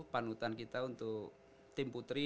panutan kita untuk tim putri